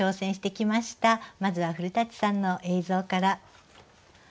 まずは古さんの映像から。